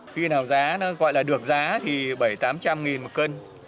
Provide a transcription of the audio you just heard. khi nào giá nó gọi là được giá thì bảy tám trăm linh nghìn một cân